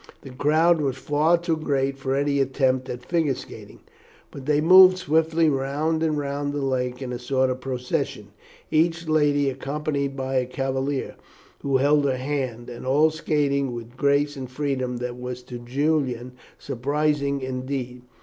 The crowd was far too great for any attempt at figure skating, but they moved swiftly round and round the lake in a sort of procession, each lady accompanied by a cavalier, who held her hand, and all skating with a grace and freedom that was to Julian surprising indeed.